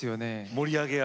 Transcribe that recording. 盛り上げ役？